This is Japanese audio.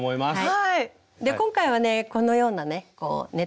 はい。